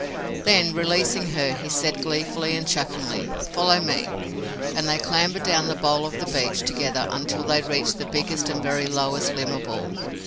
Then, releasing her, he said gleefully and chucklingly, "follow me;" and they clambered down the bole of the beech together until they reached the biggest and very lowest limb of all.